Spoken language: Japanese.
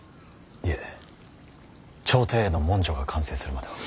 いえ朝廷への文書が完成するまでは。